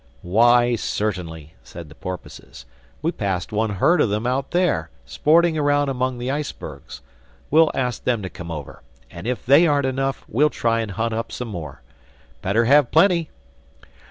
"Why, certainly," said the porpoises, "we passed one herd of them out there, sporting about among the icebergs. We'll ask them to come over. And if they aren't enough, we'll try and hunt up some more. Better have plenty."